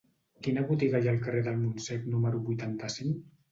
Quina botiga hi ha al carrer del Montsec número vuitanta-cinc?